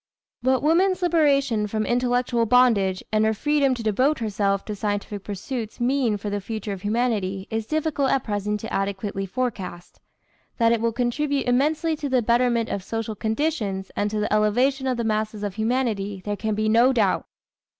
What woman's liberation from intellectual bondage and her freedom to devote herself to scientific pursuits mean for the future of humanity it is difficult at present adequately to forecast. That it will contribute immensely to the betterment of social conditions and to the elevation of the masses of humanity, there can be no doubt.